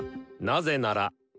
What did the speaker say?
なぜなら。